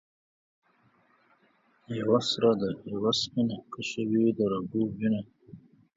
یوه سره ده یوه سپینه ـ کشوي د رګو وینه